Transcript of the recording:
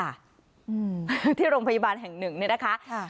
อืมที่โรงพยาบาลแห่งหนึ่งเนี่ยนะคะค่ะ